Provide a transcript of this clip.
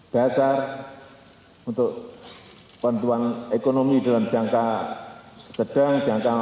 dasar untuk pentuan ekonomi dalam jangka sedang jangka tinggi